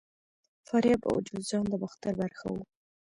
فاریاب او جوزجان د باختر برخه وو